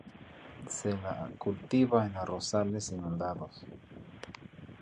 Se la cultiva en arrozales inundados.